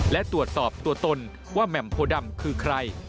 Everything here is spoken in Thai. และตรวจสอบตัวตนว่าแหม่มโพดำคือใคร